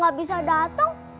kalau papa gak bisa datang